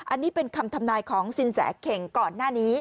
อันนี้เป็นคำทำนายของสินแสเข่งก่อนหน้านี้